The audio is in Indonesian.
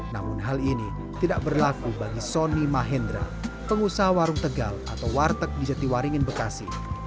namun hal ini tidak berlaku bagi sony mahendra pengusaha warung tegal atau warteg di jatiwaringin bekasi